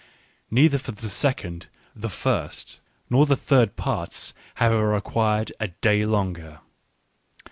Neither for the second, the first, nor the third part, have I required a day longer.